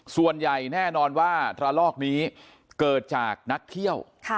ส่วนใหญ่แน่นอนว่าระลอกนี้เกิดจากนักเที่ยว